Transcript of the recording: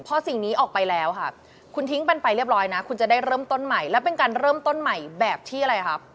พอสิ่งนี้ออกไปแล้วค่ะคุณทิ้งมันไปเรียบร้อยนะคุณจะได้เริ่มต้นใหม่แล้วเป็นการเริ่มต้นใหม่แบบที่อะไรครับ